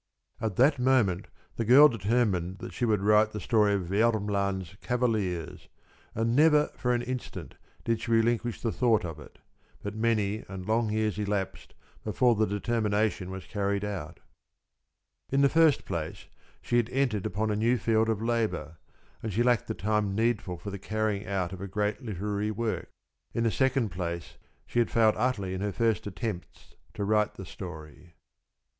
At that moment the girl determined that she would write the story of Vermland's Cavaliers, and never for an instant did she relinquish the thought of it; but many and long years elapsed before the determination was carried out. In the first place she had entered upon a new field of labor, and she lacked the time needful for the carrying out of a great literary work. In the second place she had failed utterly in her first attempts to write the story.